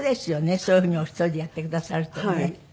そういう風にお一人でやってくださるとね。